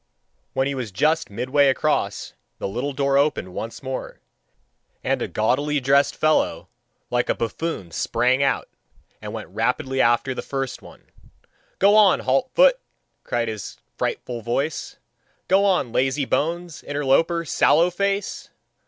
When he was just midway across, the little door opened once more, and a gaudily dressed fellow like a buffoon sprang out, and went rapidly after the first one. "Go on, halt foot," cried his frightful voice, "go on, lazy bones, interloper, sallow face!